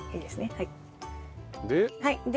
はい。